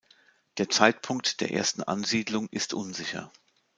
Der Zeitpunkt der ersten Ansiedlung ist unsicher.